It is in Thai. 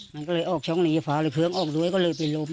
มันก็เลยออกช่องนี้ฟ้าเลยเครื่องออกด้วยก็เลยเป็นลม